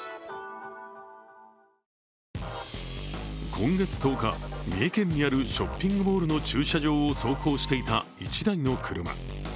今月１０日、三重県にあるショッピングモールの駐車場を走行していた１台の車。